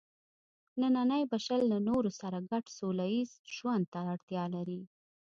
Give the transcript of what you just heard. نننی بشر له نورو سره ګډ سوله ییز ژوند ته اړتیا لري.